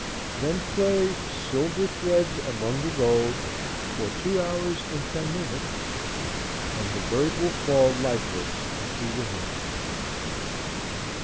Then play "Silver Threads Among the Gold" for two hours and ten minutes, and the bird will fall lifeless into the horn.